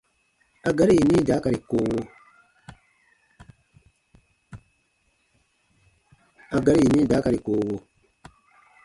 A gari yini daakari koowo :